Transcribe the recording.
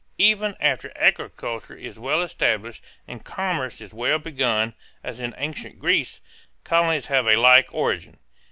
Even after agriculture is well established and commerce is well begun, as in Ancient Greece, colonies have a like origin.